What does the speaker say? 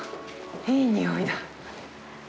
いい匂いだ。